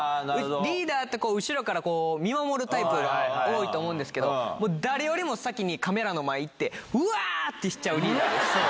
リーダーってこう、後ろから見守るタイプ多いと思うんですけど、誰よりも先にカメラの前行って、うわーってしちゃうリーダーです。